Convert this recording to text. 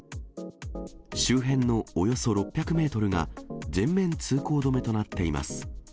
周辺のおよそ６００メートルが、全面通行止めとなっています。